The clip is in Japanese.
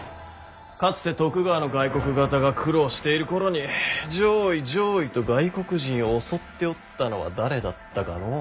かつて徳川の外国方が苦労している頃に攘夷攘夷と外国人を襲っておったのは誰だったかのう。